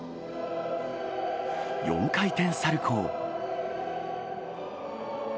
４回転サルコー。